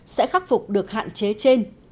sẽ khắc phục được hạn chế trên